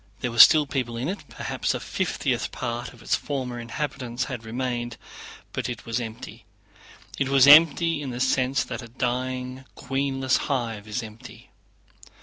There were still people in it, perhaps a fiftieth part of its former inhabitants had remained, but it was empty. It was empty in the sense that a dying queenless hive is empty.